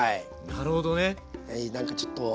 なるほどね。